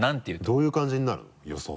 どういう感じになる？予想。